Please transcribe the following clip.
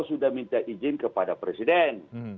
sudah minta izin kepada presiden